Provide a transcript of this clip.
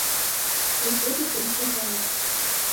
І гэта толькі газ.